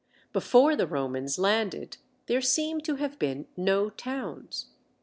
Before the Romans landed there seem to have been no towns.